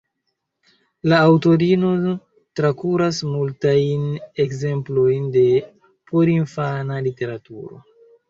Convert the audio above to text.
La aŭtorino trakuras multajn ekzemplojn de porinfana literaturo.